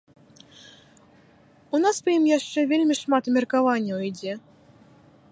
У нас па ім яшчэ вельмі шмат абмеркаванняў ідзе.